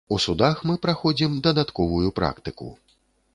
У судах мы праходзім дадатковую практыку.